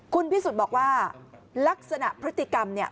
คุณพิสุทธิ์บอกว่าลักษณะพฤติกรรมเนี่ย